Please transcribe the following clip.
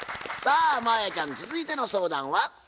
さあ真彩ちゃん続いての相談は？